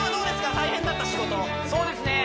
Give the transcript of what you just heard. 大変だった仕事そうですね